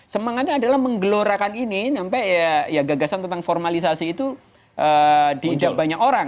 semangatnya adalah menggelorakan ini sampai ya gagasan tentang formalisasi itu diinjak banyak orang